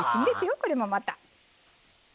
これもまた。